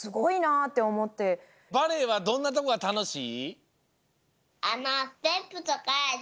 バレエはどんなとこがたのしい？